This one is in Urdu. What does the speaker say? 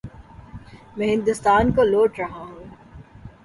میں ہندوستان کو لوٹ رہا ہوں۔